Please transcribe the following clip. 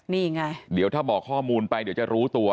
นี่ไงเดี๋ยวถ้าบอกข้อมูลไปเดี๋ยวจะรู้ตัว